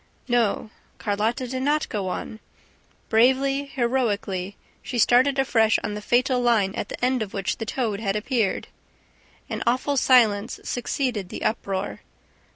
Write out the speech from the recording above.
No, Carlotta did not go on ... Bravely, heroically, she started afresh on the fatal line at the end of which the toad had appeared. An awful silence succeeded the uproar.